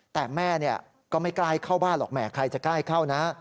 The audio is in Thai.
แต่แม่ก็ไม่กล้าเข้าบ้านหรอกแหมใครจะกล้าให้เข้านะ